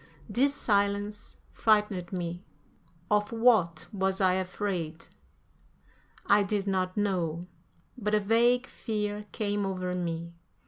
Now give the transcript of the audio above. This silence frightened me. Of what was I afraid? I did not know, but a vague fear came over me.